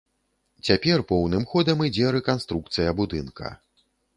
Цяпер поўным ходам ідзе рэканструкцыя будынка.